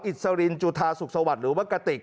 อิสรินจุธาสุขสวัสดิ์หรือว่ากระติก